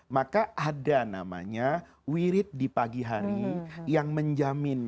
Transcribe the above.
maka ada namanya wirid di pagi hari yang menjamin